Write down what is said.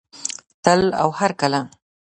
تل او هرکله.